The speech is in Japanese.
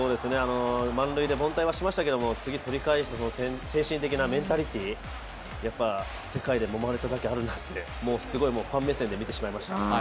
満塁で凡退はしましたけれども、取り返したメンタリティー、世界でもまれただけあるなってすごいファン目線で見てしまいました。